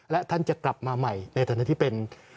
และท่านจะกลับมาใหม่ในฐานะที่เป็น